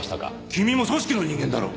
君も組織の人間だろう！？